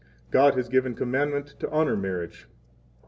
God has given commandment to honor marriage.